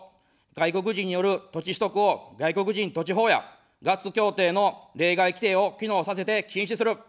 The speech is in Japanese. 外国人による土地取得を外国人土地法やガッツ協定の例外規定を機能させて禁止する。